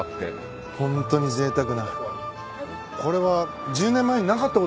ホントにぜいたくな。